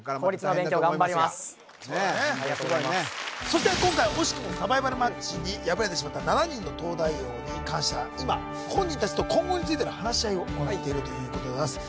そして今回惜しくもサバイバルマッチに敗れてしまった７人の東大王に関しては今本人達と今後についての話し合いを行っているということでございます